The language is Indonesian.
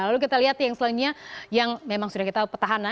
lalu kita lihat yang selanjutnya yang memang sudah kita petahana